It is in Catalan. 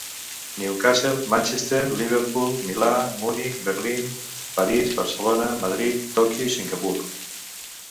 Newcastle, Manchester, Liverpool, Milà, Munic, Berlín, París, Barcelona, Madrid, Tòquio i Singapur.